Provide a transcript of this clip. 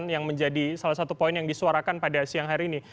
yang menjadi salah satu poin yang disuarakan pada siang hari ini